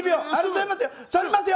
取りますよ。